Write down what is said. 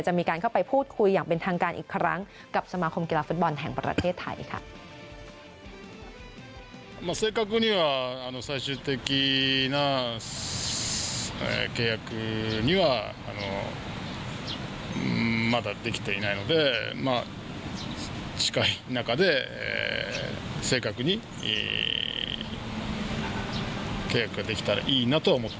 จะมีการเข้าไปพูดคุยอย่างเป็นทางการอีกครั้งกับสมาคมกีฬาฟุตบอลแห่งประเทศไทยค่ะ